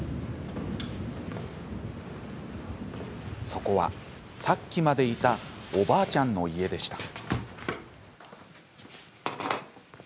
そこは、さっきまでいたおばあちゃんの家でした。